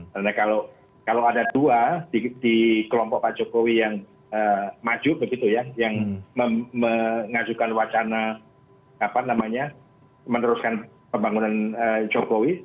karena kalau ada dua di kelompok pak jokowi yang maju yang mengajukan wacana meneruskan pembangunan jokowi